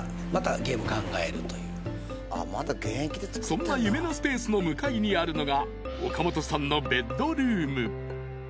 ［そんな夢のスペースの向かいにあるのが岡本さんのベッドルーム］